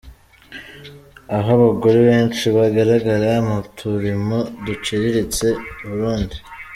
Aho abagore benshi bagaragara mu turimo duciriritse : Burundi.